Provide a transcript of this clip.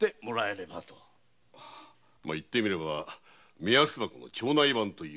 言ってみれば目安箱の町内版だ。